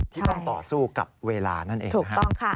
ที่ต้องต่อสู้กับเวลานั่นเอง